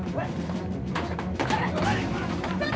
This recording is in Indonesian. tuh langsung ngacir tuh tadi